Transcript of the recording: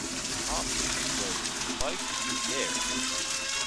Palm trees grows twice as big there.